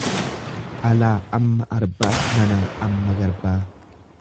Alaa amma arbaa manaa amma garbaa.